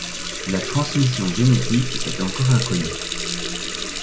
La transmission génétique est encore inconnue.